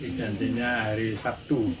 digantinya hari sabtu